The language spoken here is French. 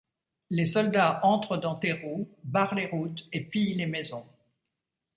Les soldats entrent dans Terrou, barrent les routes et pillent les maisons.